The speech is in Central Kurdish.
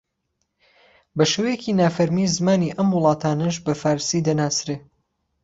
بە شێوەیەکی نافەرمی زمانی ئەم وڵاتانەش بە فارسی دەناسرێ